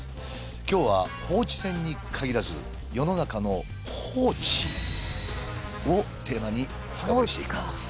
今日は放置船に限らず世の中の「放置」をテーマに深掘りしていきます。